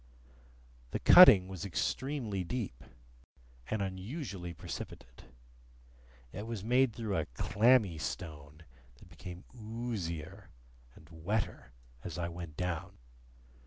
The cutting was extremely deep, and unusually precipitate. It was made through a clammy stone, that became oozier and wetter as I went down.